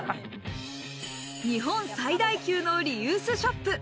日本最大級のリユースショップ。